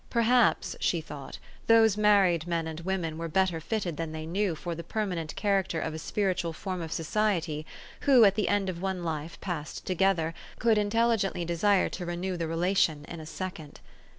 Per haps (she thought) those married men and women were better fitted than they knew for the permanent character of a spiritual form of society, who, at the end of one life passed together, could intelligently desire to renew the relation in a second.